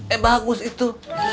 eh bagus itu